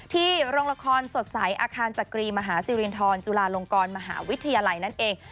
โรงละครสดใสอาคารจักรีมหาสิรินทรจุฬาลงกรมหาวิทยาลัยนั่นเอง